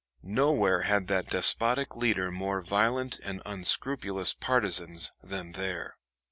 Nowhere had that despotic leader more violent and unscrupulous partisans than there.